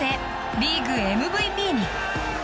リーグＭＶＰに。